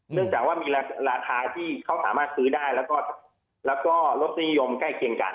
จากว่ามีราคาที่เขาสามารถซื้อได้แล้วก็รสนิยมใกล้เคียงกัน